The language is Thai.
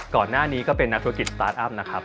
ก่อนหน้านี้ก็เป็นนักธุรกิจสตาร์ทอัพนะครับ